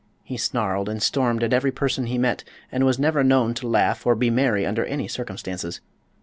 He snarled and stormed at every person he met and was never known to laugh or be merry under any circumstances.